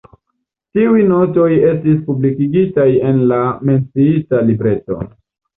Tiuj notoj estis publikigitaj en la menciita libreto.